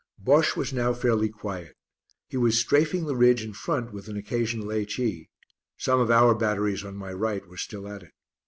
Bosche was now fairly quiet; he was "strafing" the ridge in front with an occasional H.E.; some of our batteries on my right were still at it.